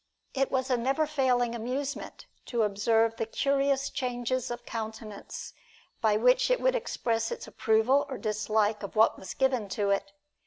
It was a never failing amusement to observe the curious changes of countenance by which it would express its approval or dislike of what was given to it.